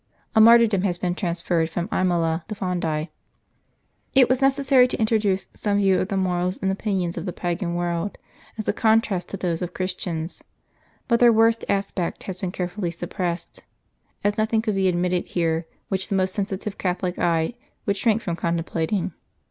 A martyrdom has been transferred from Imola to Fondi. It was necessary to introduce some view of the morals and opinions of the Pagan world, as a contrast to those of Christians. But their worst aspect has been carefully suppressed, as nothing could be admitted here which the most sensitive Catholic eye would shrink from contemplating.